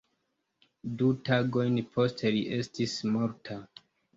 Du tagojn poste, li estis morta.